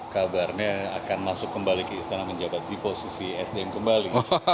kabarnya akan masuk kembali ke istana menjabat di posisi sdm kembali